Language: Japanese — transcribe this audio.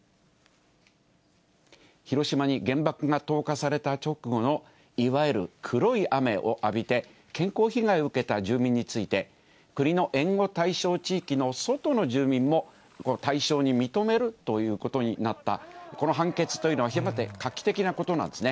広島に原爆が投下された直後の、いわゆる黒い雨を浴びて、健康被害を受けた住民について、国の援護対象地域の外の住民も対象に認めるということになった、この判決というのは極めて画期的なことなんですね。